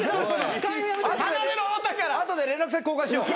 後で連絡先交換しよう。